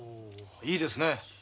いいですね。